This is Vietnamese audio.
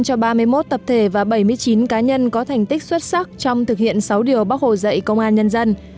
cho ba mươi một tập thể và bảy mươi chín cá nhân có thành tích xuất sắc trong thực hiện sáu điều bác hồ dạy công an nhân dân